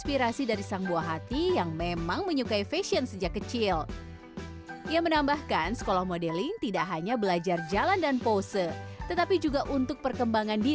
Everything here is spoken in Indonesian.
eksistensi model cilik mulai naik daun beberapa waktu belakangan